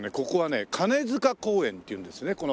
ここはね鐘塚公園っていうんですね。